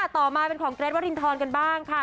ต่อมาเป็นของเกรทวรินทรกันบ้างค่ะ